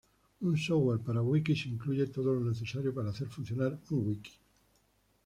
Un software para wikis incluye todo lo necesario para hacer funcionar un wiki.